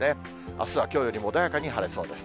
あすはきょうよりも穏やかに晴れそうです。